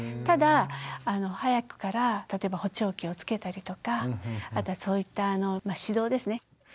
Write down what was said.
ただ早くから例えば補聴器をつけたりとかそういった指導ですね。